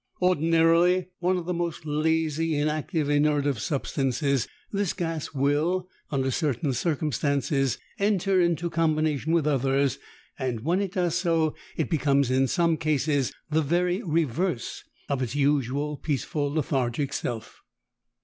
Ordinarily one of the most lazy, inactive, inert of substances, this gas will, under certain circumstances, enter into combination with others, and when it does so it becomes in some cases the very reverse of its usual peaceful, lethargic self.